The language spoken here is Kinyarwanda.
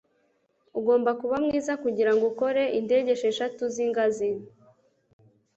Ugomba kuba mwiza kugirango ukore indege esheshatu zingazi.